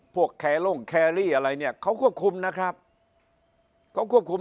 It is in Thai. พวกแคลงแครรี่อะไรเนี่ยเขาควบคุมนะครับเขาควบคุม